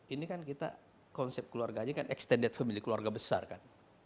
ini kan kita konsep keluarganya kan extended family keluarga besar kan